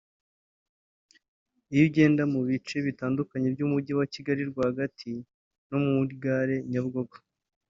Iyo ugenda mu bice bitandukanye by’Umujyi wa Kigali rwagati no muri Gare ya Nyabugogo